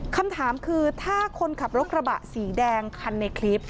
คำถามคือถ้าคนขับรถกระบะสีแดงคันในคลิป